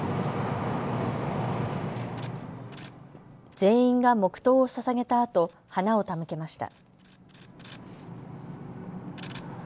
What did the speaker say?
全員が黙とうをささげたあと花を手向けました。